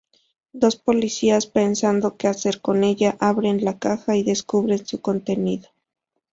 Dos policías, pensando que hacer con ella, abren la caja y descubren su contenido.